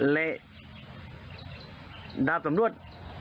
เละดาบสำรวจ